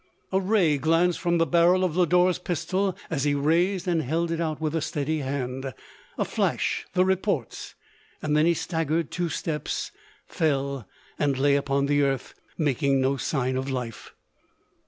A ray glanced from the barrel of Lodore^s pistol, as he raised and held it out with a steady hand — a flash — the reports — and then he staggered two steps, fell, and lay on the earth, making no sign of life.